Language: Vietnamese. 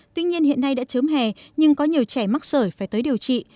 tuy nhiên hiện nay đã trớm hè nhưng có nhiều trẻ mắc sởi phải tới điều trị